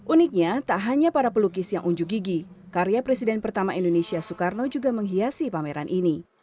uniknya tak hanya para pelukis yang unjuk gigi karya presiden pertama indonesia soekarno juga menghiasi pameran ini